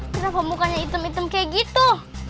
kenapa mukanya hitam hitam kayak gitu